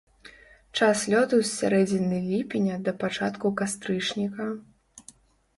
Час лёту з сярэдзіны ліпеня да пачатку кастрычніка.